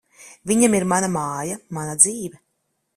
Viņam ir mana māja, mana dzīve.